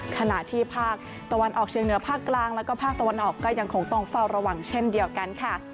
ขณะที่ภาคตะวันออกเชียงเหนือภาคกลางแล้วก็ภาคตะวันออกก็ยังคงต้องเฝ้าระวังเช่นเดียวกันค่ะ